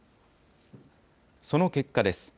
その結果です。